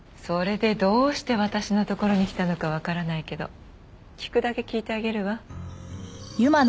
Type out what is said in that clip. それでどうして私のところに来たのかわからないけど聞くだけ聞いてあげるわ。